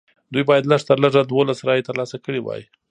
دوی باید لږ تر لږه دولس رایې ترلاسه کړې وای.